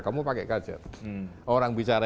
kamu pakai gadget orang bicara